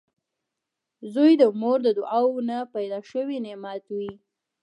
• زوی د مور د دعاوو نه پیدا شوي نعمت وي